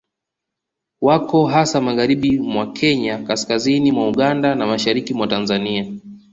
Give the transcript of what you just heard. Wako hasa magharibi mwa Kenya kaskazini mwa Uganda na mashariki mwa Tanzania